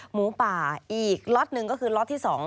หมูป่าอีกล็อตหนึ่งก็คือล็อตที่๒